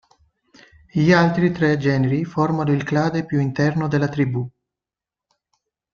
Gli altri tre generi formano il clade più interno della tribù.